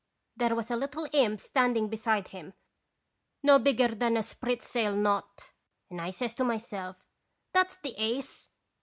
"There was a little imp standing beside him, no bigger than a sprit sail knot, and I says to myself : '"That's the Ace!'